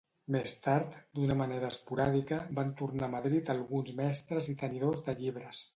Més tard, d'una manera esporàdica, van tornar a Madrid alguns mestres i tenidors de llibres.